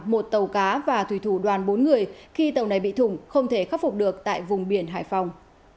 một tàu cá và thủy thủ đoàn bốn người khi tàu này bị thủng không thể khắc phục được tại vùng biển hải phòng